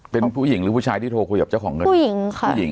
เป็นผู้หญิงหรือผู้ชายที่โทรคุยกับเจ้าของเงินผู้หญิงค่ะผู้หญิง